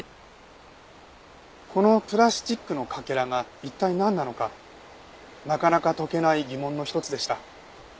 このプラスチックのかけらが一体なんなのかなかなか解けない疑問の一つでした。